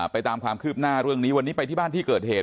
ตามความคืบหน้าเรื่องนี้วันนี้ไปที่บ้านที่เกิดเหตุ